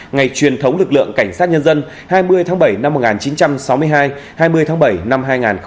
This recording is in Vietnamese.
ngày truyền thống lực lượng cảnh sát nhân dân hai mươi tháng bảy năm một nghìn chín trăm sáu mươi hai hai mươi tháng bảy năm hai nghìn hai mươi